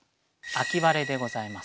「秋晴」でございます。